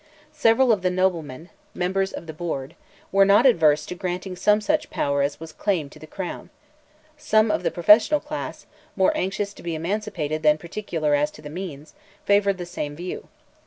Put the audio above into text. Several of the noblemen, members of the board, were not averse to granting some such power as was claimed to the crown; some of the professional class, more anxious to be emancipated than particular as to the means, favoured the same view.